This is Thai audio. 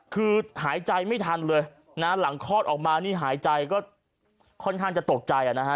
คือหายใจไม่ทันเลยนะหลังคลอดออกมานี่หายใจก็ค่อนข้างจะตกใจนะฮะ